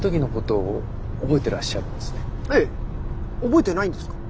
覚えてないんですか？